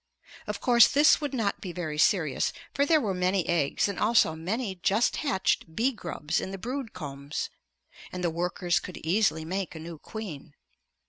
Of course this would not be very serious. For there were many eggs and also many just hatched bee grubs in the brood combs, and the workers could easily make a new queen.